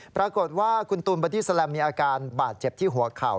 ปรากฏว่าคุณตูนบอดี้แลมมีอาการบาดเจ็บที่หัวเข่า